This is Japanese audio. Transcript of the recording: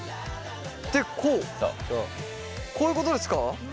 こういうことですか？